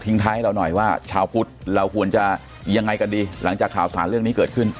ท้ายให้เราหน่อยว่าชาวพุทธเราควรจะยังไงกันดีหลังจากข่าวสารเรื่องนี้เกิดขึ้น